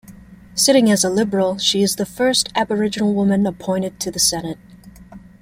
Sitting as a Liberal, she is the first Aboriginal woman appointed to the Senate.